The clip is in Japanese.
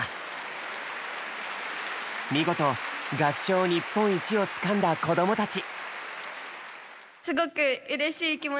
見事合唱日本一をつかんだ子供たち。